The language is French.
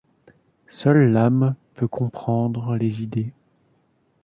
Seule l'âme peut comprendre les Idées.